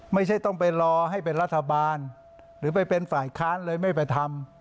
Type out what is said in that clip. ไม่ใช่ต้องไปรอให้เป็นรัฐบาลหรือไปเป็นฝ่ายค้านเลยไม่ไปทำ